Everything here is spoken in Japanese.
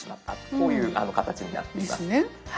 こういう形になっています。